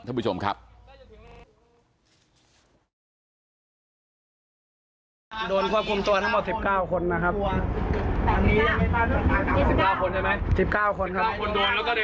โดนควบคุมตัวทั้งหมด๑๙คนนะครับ